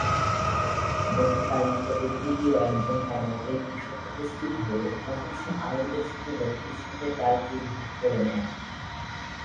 যখন তার নিকটে তৃতীয় একজন তার মতোই কৃষক উপস্থিত হলো তখন সে আনন্দের সাথে লোকটির সাথে টার্কি ভাগ করে নেয়।